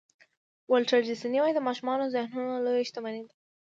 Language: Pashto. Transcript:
ولټر ډیسني وایي د ماشومانو ذهنونه لویه شتمني ده.